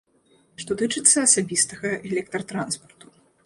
Што тычыцца асабістага электратранспарту.